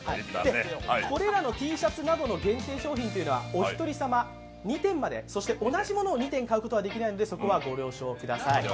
これらのＴシャツなどの限定商品いうのはおひとり様２点まで、そして同じものを２点買うことはできないので、そこはご了承ください。